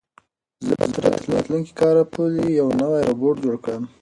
زه به تر راتلونکي کال پورې یو نوی روبوټ جوړ کړم.